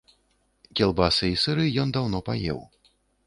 Кілбасы і сыры ён даўно паеў.